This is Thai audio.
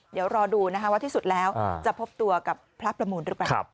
เดี๋ยวรอดูนะคะว่าที่สุดแล้วจะพบตัวกับพระประมูลหรือเปล่า